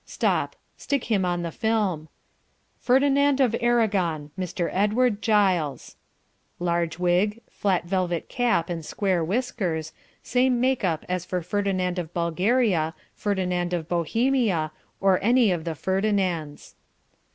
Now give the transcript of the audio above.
Stop, stick him on the film. FERDINAND OF ARAGON.. Mr. Edward Giles (Large wig, flat velvet cap and square whiskers same make up as for Ferdinand of Bulgaria, Ferdinand of Bohemia, or any of the Ferdinands.)